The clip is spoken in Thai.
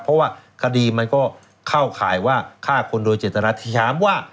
เพราะว่าคดีมันก็เข้าข่ายว่าฆ่าคนโดยเจตนาที่ถามว่า